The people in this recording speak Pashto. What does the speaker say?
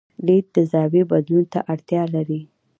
لید د زاویې بدلون ته اړتیا لري.